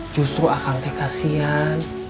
justru akang teh kasian